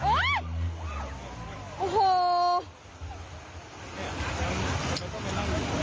โอ้โห